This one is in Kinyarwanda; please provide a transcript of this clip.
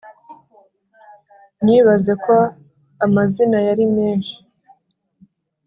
nyibaze ko amazina yari menshi,